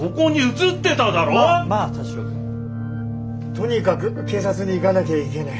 とにかく警察に行かなきゃいけない。